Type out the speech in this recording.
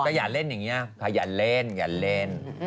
อย่าเล่นอย่างนี้ค่ะอย่าเล่นอย่าเล่น